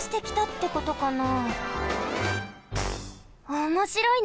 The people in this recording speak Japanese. おもしろいな！